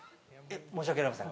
申し訳ありません。